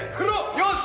よし！